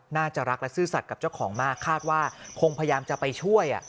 น่าจะรักและซื่อสัตว์กับเจ้าของมากคาดว่าคงพยายามจะไปช่วย